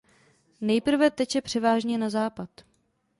Nejprve teče převážně na západ.